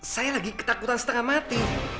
saya lagi ketakutan setengah mati